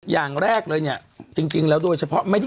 อย่างแรกเลยเนี่ยจริงแล้วด้วยเฉพาะ